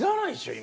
今。